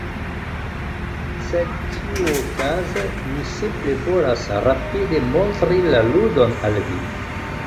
Sed ĉiuokaze mi simple volas rapide montri la ludon al vi